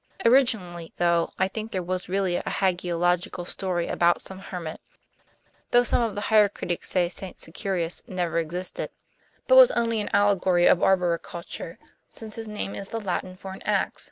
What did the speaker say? Originally, though, I think there was really a hagiological story about some hermit, though some of the higher critics say St. Securis never existed, but was only an allegory of arboriculture, since his name is the Latin for an ax."